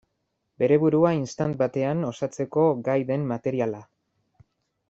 Bere burua istant batean osatzeko gai den materiala.